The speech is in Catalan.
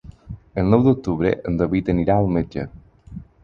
El nou d'octubre en David anirà al metge.